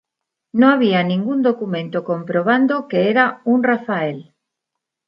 No había ningún documento comprobando que era un Rafael.